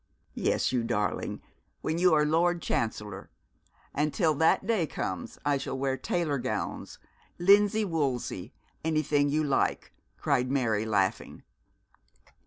'Yes, you darling, when you are Lord Chancellor; and till that day comes I will wear tailor gowns, linsey wolsey, anything you like,' cried Mary, laughing.